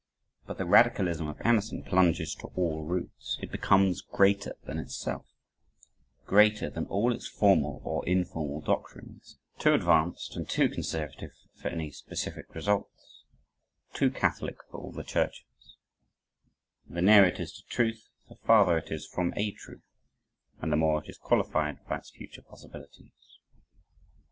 But the Radicalism of Emerson plunges to all roots, it becomes greater than itself greater than all its formal or informal doctrines too advanced and too conservative for any specific result too catholic for all the churches for the nearer it is to truth, the farther it is from a truth, and the more it is qualified by its future possibilities.